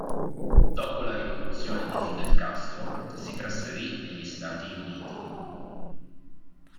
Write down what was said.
Dopo la rivoluzione di Fidel Castro si trasferì negli Stati Uniti.